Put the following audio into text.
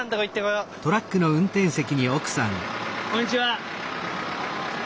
こんにちは。